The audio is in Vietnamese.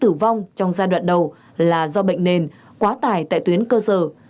các y tế tử vong trong giai đoạn đầu là do bệnh nền quá tải tại tuyến cơ sở